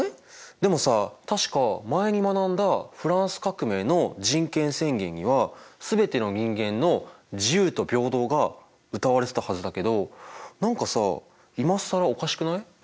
でもさ確か前に学んだフランス革命の人権宣言には全ての人間の自由と平等がうたわれてたはずだけど何かさ今更おかしくない？